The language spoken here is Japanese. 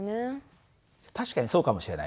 確かにそうかもしれないね。